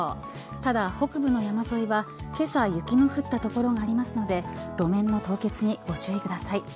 ただ、北部の山沿いはけさ雪の降った所がありますので路面の凍結にご注意ください。